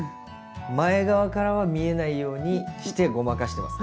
前側からは見えないようにしてごまかしてます。